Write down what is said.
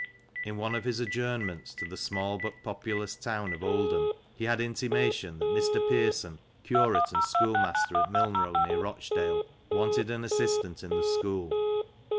"In one of his adjournments to the small but populous town of Oldham, he had an intimation that the Rev. Mr. Pearson, curate and schoolmaster, of Milnrow, near Eochdale, wanted an assistant in the school.